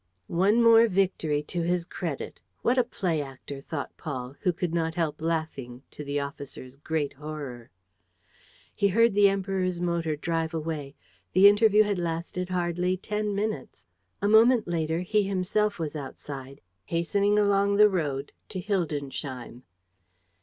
"One more victory to his credit! What a play actor!" thought Paul, who could not help laughing, to the officer's great horror. He heard the Emperor's motor drive away. The interview had lasted hardly ten minutes. A moment later he himself was outside, hastening along the road to Hildensheim.